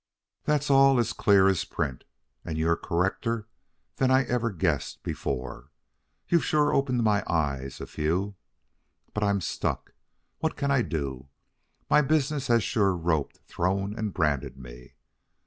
"That's all as clear as print, and you're correcter than I ever guessed before. You've sure opened my eyes a few. But I'm stuck. What can I do? My business has sure roped, thrown, and branded me.